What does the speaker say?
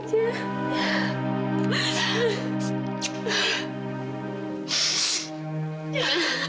kamu baik baik saja